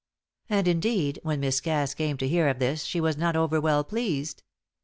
And, indeed, when Miss Cass came to hear of this she was not over well pleased.